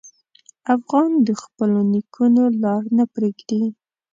افغان د خپلو نیکونو لار نه پرېږدي.